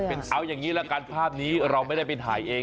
เอาอย่างนี้ละกันภาพนี้เราไม่ได้ไปถ่ายเอง